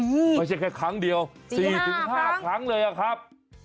ไม่ใช่แค่ครั้งเดียว๔๕ครั้งเลยอะครับ